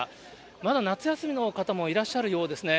まだ夏休みの方もいらっしゃるようですね。